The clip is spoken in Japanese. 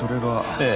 ええ。